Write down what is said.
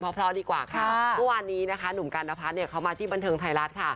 พอพลาวดีกว่าทุกวันนี้หนุ่มการณพัฒน์เขามาที่บันเทิงไทยรัฐ